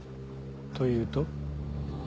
というと？